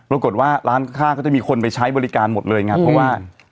ปรากฏว่าร้านข้างก็จะมีคนไปใช้บริการหมดเลยไงเพราะว่า